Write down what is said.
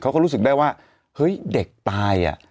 เขาก็รู้สึกได้ว่าเฮ้ยเด็กตายอ่ะ